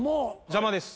邪魔です。